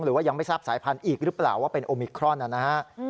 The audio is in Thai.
หรือว่ายังไม่ทราบสายพันธุ์อีกหรือเปล่าว่าเป็นโอมิครอนนะฮะ